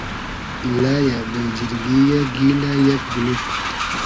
لئیۂ ، بې جیرگی یۂ ، گیلۂ یئگ بولوگ